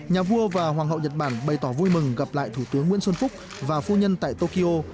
nhà vua và hoàng hậu nhật bản bày tỏ vui mừng gặp lại thủ tướng nguyễn xuân phúc và phu nhân tại tokyo